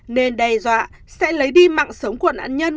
nên đe dọa sẽ lấy đi mạng sống của nạn nhân